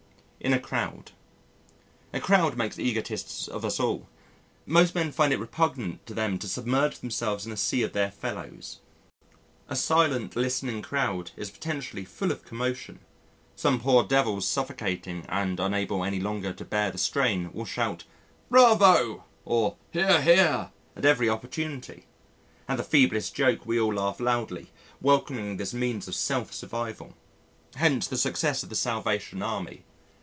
In a Crowd A crowd makes egotists of us all. Most men find it repugnant to them to submerge themselves in a sea of their fellows. A silent, listening crowd is potentially full of commotion. Some poor devils suffocating and unable any longer to bear the strain will shout, "Bravo," or "Hear, hear," at every opportunity. At the feeblest joke we all laugh loudly, welcoming this means of self survival. Hence the success of the Salvation Army.